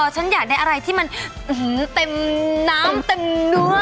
ฉันอยากได้อะไรที่มันเต็มน้ำเต็มเนื้อ